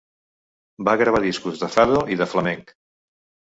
Va gravar discos de fado i de flamenc.